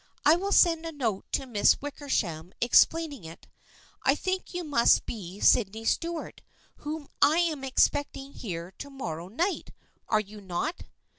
I will send a note to Miss Wickersham explaining it. I think you must be Sydney Stuart whom I am expecting here to mor row night, are you not?